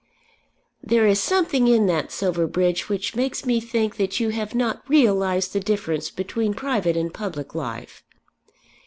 "There is something in that, Silverbridge, which makes me think that you have not realised the difference between private and public life.